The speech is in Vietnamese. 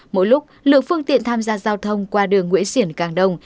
mỗi lúc lượng phương tiện tham gia giao thông qua đường nguyễn xiển càng đông